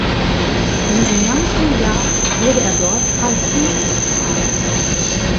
Im genannten Jahr wurde er dort Archivrat.